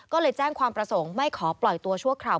ก็เลยแจ้งความประสงค์ไม่ขอปล่อยตัวชั่วคราว